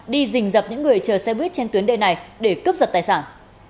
đi dình dập những người chờ xe buýt trên tuyến đê này để cướp giật tài sản